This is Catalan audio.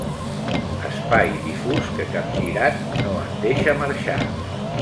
Espai difús que, capgirat, no et deixa marxar.